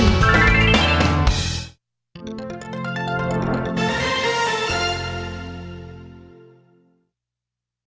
โอ้โหไทยแลนด์